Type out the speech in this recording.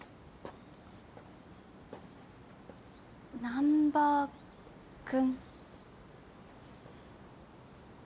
難破君。